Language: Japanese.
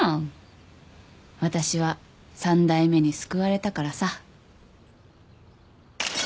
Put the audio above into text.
私は三代目に救われたからさ。